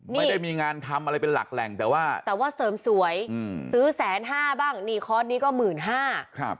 ไม่ได้มีงานทำอะไรเป็นหลักแหล่งแต่ว่าแต่ว่าเสริมสวยอืมซื้อแสนห้าบ้างนี่คอร์สนี้ก็หมื่นห้าครับ